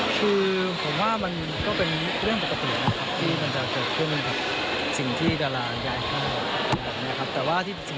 คือคิดว่าน่าจะเป็นการโดยสัส